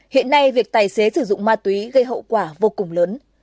hiện nay việc tài xế sử dụng ma túy gây hậu quả vô cùng lớn